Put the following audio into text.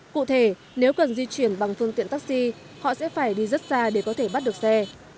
cụ thể nếu cần di chuyển bằng phương tiện taxi họ sẽ phải đi rất xa để có thể bắt được xe